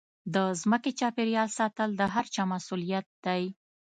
د ځمکې چاپېریال ساتل د هرچا مسوولیت دی.